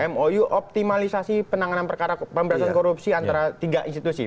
mou optimalisasi penanganan pemperiksaan korupsi antara tiga institusi